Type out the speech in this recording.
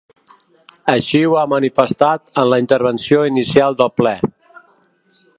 Així ho ha manifestat en la intervenció inicial del ple.